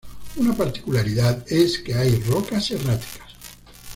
Una particularidad es que hay rocas erráticas.